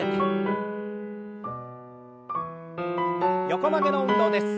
横曲げの運動です。